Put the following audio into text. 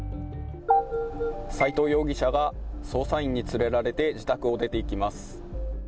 斉藤容疑者が捜査員に連れられて自宅を出ていきます。